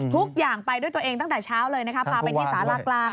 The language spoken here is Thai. ทุกอย่างไปด้วยตัวเองตั้งแต่เช้าเลยนะคะพาไปที่สารากลาง